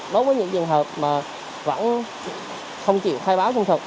đối với những trường hợp mà vẫn không chịu thay báo chung thực